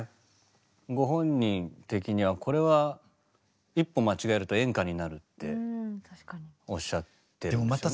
ご本人的にはこれは一歩間違えると演歌になるっておっしゃってるんですよね。